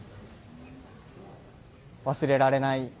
忘れられない